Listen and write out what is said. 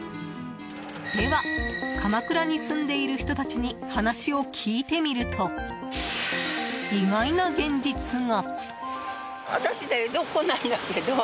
では、鎌倉に住んでいる人たちに話を聞いてみると意外な現実が。